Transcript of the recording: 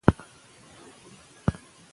سپي له سهاره تر اوسه په کوڅه کې غپا کوله.